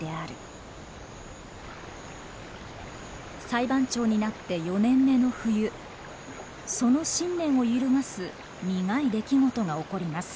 裁判長になって４年目の冬その信念を揺るがす苦い出来事が起こります。